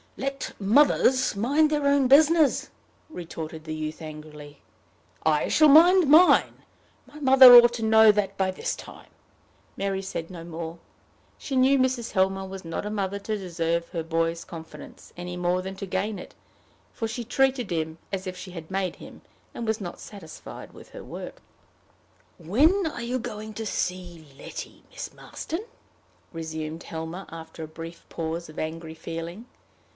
"Let mothers mind their own business!" retorted the youth angrily. "I shall mind mine. My mother ought to know that by this time." Mary said no more. She knew Mrs. Helmer was not a mother to deserve her boy's confidence, any more than to gain it; for she treated him as if she had made him, and was not satisfied with her work. "When are you going to see Letty, Miss Marston?" resumed Helmer, after a brief pause of angry feeling.